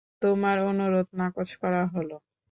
তোমার অনুরোধ নাকোচ করা হল!